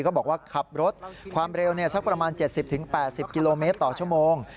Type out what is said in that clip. ก็บอกว่าขับรถความเร็วสักประมาณ๗๐๘๐กิโลเมตรต่อชั่วโมง